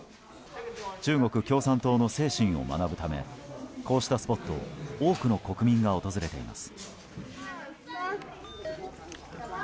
中国共産党の精神を学ぶためこうしたスポットを多くの国民が訪れています。